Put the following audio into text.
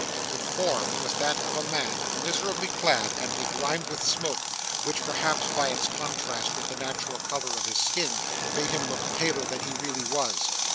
The form was that of a man, miserably clad and begrimed with smoke, which, perhaps by its contrast with the natural colour of his skin, made him look paler than he really was.